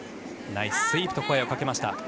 ナイススイープと声をかけました。